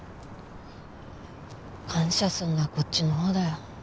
感謝するのはこっちのほうだよ。